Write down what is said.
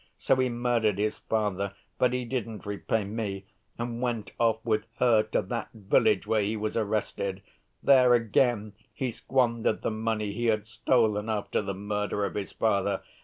So he murdered his father, but he didn't repay me, and went off with her to that village where he was arrested. There, again, he squandered the money he had stolen after the murder of his father.